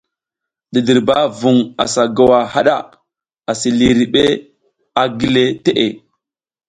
Didirba vung asa gowa haɗa, asi lihiriɗ a gile teʼe.